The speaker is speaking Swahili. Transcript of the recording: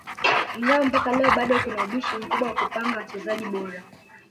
Ingawa mpaka leo bado kuna ubishi mkubwa wa kupanga wachezaji bora